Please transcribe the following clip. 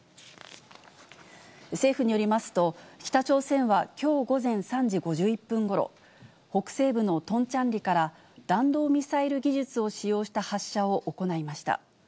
政府によりますと、北朝鮮はきょう午前３時５１分ごろ、北西部のトンチャンリから弾道ミサイル技術を使用した発射を行いました。